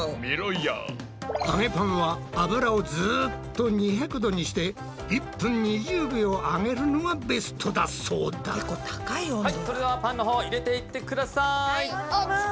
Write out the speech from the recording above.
揚げパンは油をずっと２００℃にして１分２０秒揚げるのがベストだそうだはいそれではパンのほう入れていってください！